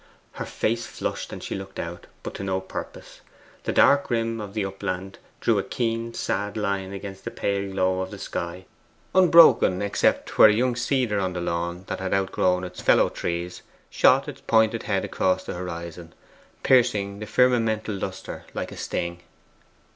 Her face flushed and she looked out, but to no purpose. The dark rim of the upland drew a keen sad line against the pale glow of the sky, unbroken except where a young cedar on the lawn, that had outgrown its fellow trees, shot its pointed head across the horizon, piercing the firmamental lustre like a sting.